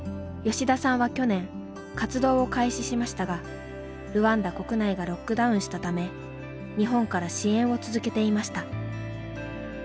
吉田さんは去年活動を開始しましたがルワンダ国内がロックダウンしたため日本から支援を続けていました。